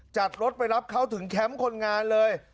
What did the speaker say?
จัดรถไปรับเขาถึงแคมป์คนงานเลย